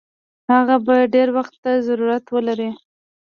هغه به ډېر وخت ته ضرورت ولري.